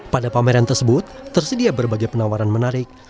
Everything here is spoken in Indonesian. pada pameran tersebut tersedia berbagai penawaran menarik